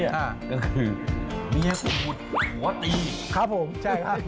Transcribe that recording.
ก็คือเมียสมุดหัวตีครับผมใช่ครับ